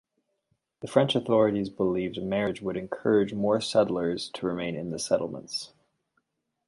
The French authorities believed marriage would encourage more settlers to remain in the settlements.